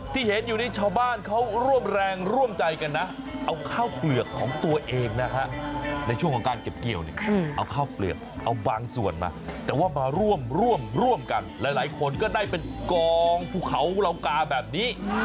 ที่เห็นอยู่นี้ชาวบ้านเขาร่วมแรงร่วมใจกันนะเอาข้าวเปลือกของตัวเองนะฮะในช่วงของการเก็บเกี่ยวเนี่ยเอาข้าวเปลือกเอาบางส่วนมาแต่ว่ามาร่วมร่วมกันหลายคนก็ได้เป็นกองภูเขาเหล่ากาแบบนี้